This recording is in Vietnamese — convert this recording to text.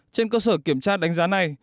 trên cơ sở kiểm tra đánh giá này